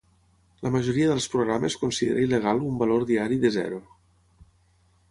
La majoria dels programes considera il·legal un valor diari de zero.